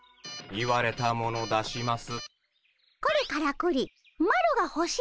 言われたもの出します。